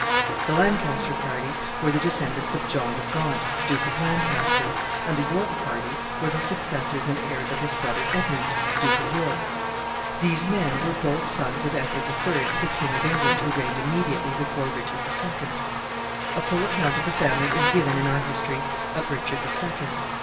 The Lancaster party were the descendants of John of Gaunt, Duke of Lancaster, and the York party were the successors and heirs of his brother Edmund, Duke of York. These men were both sons of Edward the Third, the King of England who reigned immediately before Richard the Second. A full account of the family is given in our history of Richard the Second.